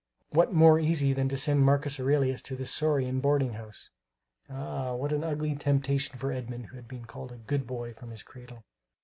What more easy than to send Marcus Aurelius to this saurian boarding house? Ah, what an ugly temptation for Edmund who had been called a good boy from his cradle.